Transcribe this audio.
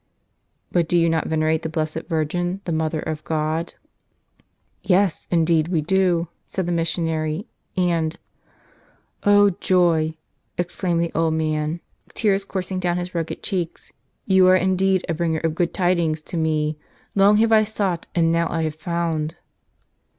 "But do you not venerate the Blessed Virgin, the Mother of God?" "Yes; indeed, we do," said the missionary, "and —" "O joy!" exclaimed the old man, tears coursing 125 " Tell Us Another!" down his rugged cheeks; "you are indeed a bringer of good tidings to me. Long have I sought and now I have found!"